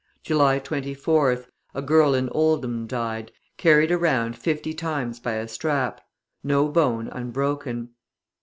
July 24th, a girl in Oldham died, carried around fifty times by a strap; no bone unbroken.